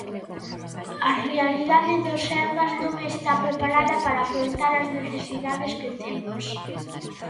A realidade do Sergas non está preparada para afrontar as necesidades que temos.